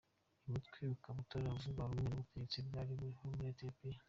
Uyu mutwe ukaba utaravugaga rumwe n’ubutegetsi bwari buriho muri Ethiopia.